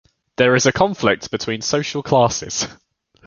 There is a conflict between social classes.